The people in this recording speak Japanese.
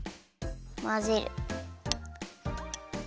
まぜる。